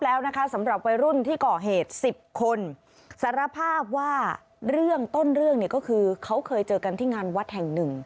และเป็นคดีขึ้นมา